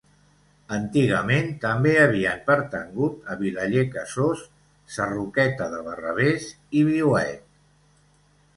Antigament també havien pertangut a Vilaller Casós, Sarroqueta de Barravés i Viuet.